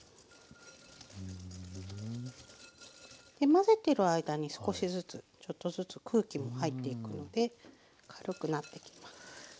混ぜてる間に少しずつちょっとずつ空気も入っていくので軽くなってきます。